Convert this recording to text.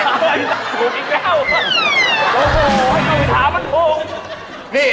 โอ้โฮผมไม่ถามมันถูก